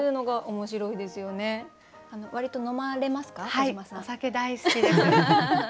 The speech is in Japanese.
はいお酒大好きです。